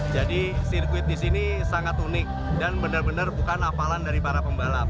jadi sirkuit di sini sangat unik dan benar benar bukan apalan dari para pembalap